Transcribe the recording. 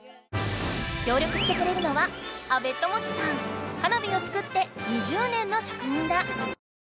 協力してくれるのは花火を作って２０年の職人だ。